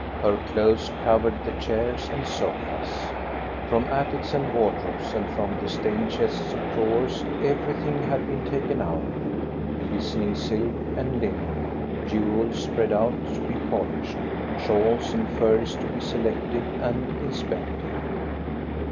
Her clothes covered the chairs and sofas. From attics and wardrobes and from the stained chests of drawers everything had been taken out, glistening silk and linen, jewels spread out to be pol ished, shawls and furs to be selected and inspected.